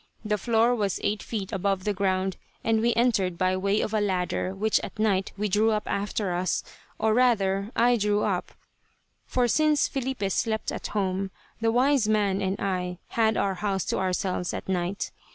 The floor was eight feet above the ground, and we entered by way of a ladder which at night we drew up after us, or rather I drew up, for since Filipe slept at home, the "wise man" and I had our house to ourselves at night.